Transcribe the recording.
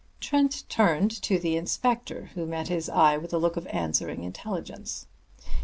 Trent turned to the inspector, who met his eye with a look of answering intelligence.